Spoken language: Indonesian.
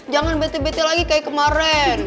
jangan bete bete lagi kayak kemaren